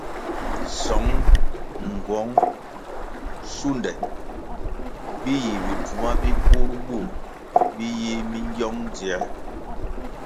Söng, nğuöng, sunde bi yi bi bvuma bi kur bur bi yi mingiong dzier.